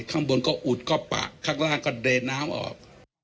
ข้างบนก็อุดก็ปะข้างล่างก็เดินน้ำออก